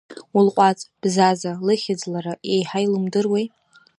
Улҟәаҵ, Бзаза, лыхьӡ лара еиҳа илымдыруеи!